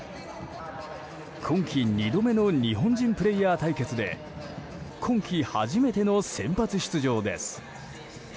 今季２度目の日本人プレーヤー対決で今季初めての先発出場です。